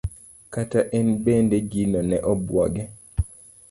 kata en bende gino ne obuoge.